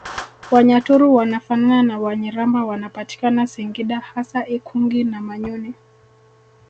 Wanyaturu wanafanana na Wanyiramba wanapatikana singida hasa ikungi na manyoni